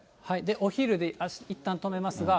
お昼でいったん止めますが。